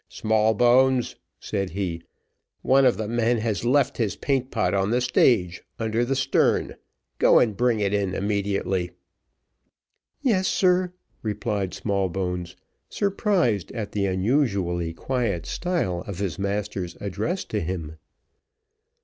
"Smallbones," said he, "one of the men has left his paint pot on the stage, under the stern, go and bring it in immediately." "Yes, sir," replied Smallbones, surprised at the unusually quiet style of his master's address to him.